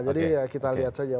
jadi ya kita lihat saja